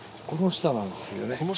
この下なんですけどね。